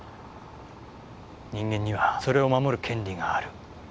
人間にはそれを守る権利がある。